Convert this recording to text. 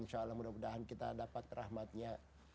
insya allah mudah mudahan kita dapat rahmatnya